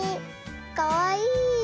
かわいい。